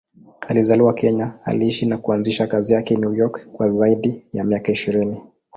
Alizaliwa Kenya, aliishi na kuanzisha kazi zake New York kwa zaidi ya miaka ishirini.